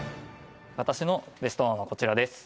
私のベスト１はこちらです